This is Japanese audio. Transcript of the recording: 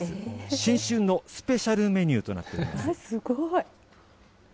新春のスペシャルメニューとなっております。